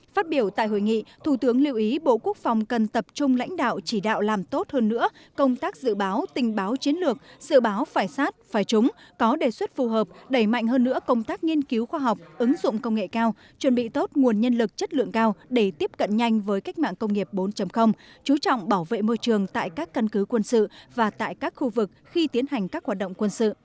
phát biểu tại hội nghị thủ tướng lưu ý bộ quốc phòng cần tập trung lãnh đạo chỉ đạo làm tốt hơn nữa công tác dự báo tình báo chiến lược dự báo phải sát phải trúng có đề xuất phù hợp đẩy mạnh hơn nữa công tác nghiên cứu khoa học ứng dụng công nghệ cao chuẩn bị tốt nguồn nhân lực chất lượng cao để tiếp cận nhanh với cách mạng công nghiệp bốn chú trọng bảo vệ môi trường tại các căn cứ quân sự và tại các khu vực khi tiến hành các hoạt động quân sự